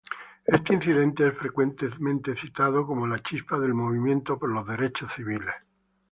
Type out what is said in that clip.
Este incidente es frecuentemente citado como la chispa del Movimiento por los Derechos Civiles.